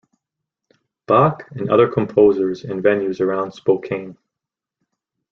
Bach and other composers in venues around Spokane.